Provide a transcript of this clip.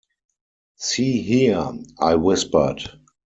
“See here,” I whispered.